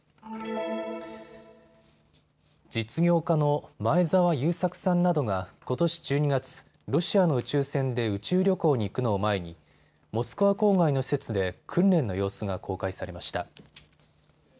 実業家の前澤友作さんなどがことし１２月、ロシアの宇宙船で宇宙旅行に行くのを前にモスクワ郊外の施設で訓練の様子が公開されました。